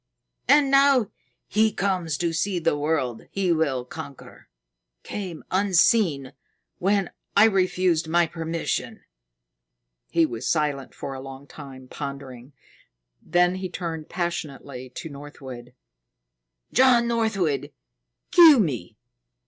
And now he comes to see the world he will conquer came unseen when I refused my permission." He was silent for a long time, pondering. Then he turned passionately to Northwood. "John Northwood, kill me!